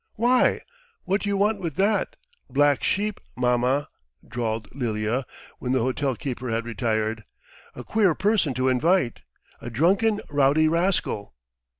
"Why, what do you want with that ... black sheep, mamma?" drawled Lilya when the hotel keeper had retired. "A queer person to invite! A drunken, rowdy rascal!"